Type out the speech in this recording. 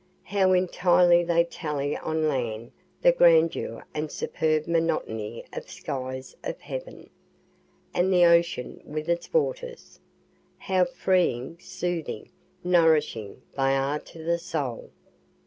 how entirely they tally on land the grandeur and superb monotony of the skies of heaven, and the ocean with its waters? how freeing, soothing, nourishing they are to the soul?